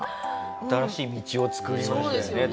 新しい道を作りましたよね